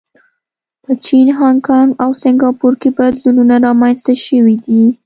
په چین، هانکانګ او سنګاپور کې بدلونونه رامنځته شوي دي.